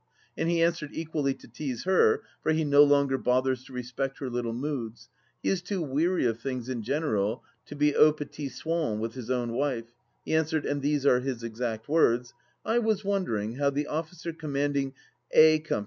And he answered, equally to tease her, for he no longer bothers to respect her little moods — he is too weary of things in general to be aux petit soins with his own wife — he answered, and these are his exact words :" I was wondering how the officer commanding A Coy.